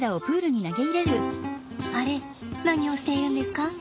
あれ何をしているんですか？